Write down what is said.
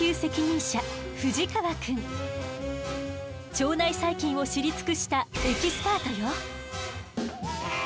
腸内細菌を知り尽くしたエキスパートよ。